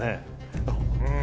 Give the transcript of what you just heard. うん。